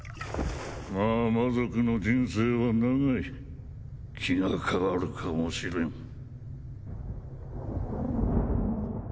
まあ魔族の人生は長い気が変わるかもしれん。